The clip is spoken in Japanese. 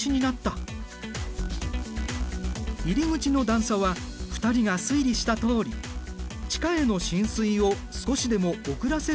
入り口の段差は２人が推理したとおり地下への浸水を少しでも遅らせるためのもの。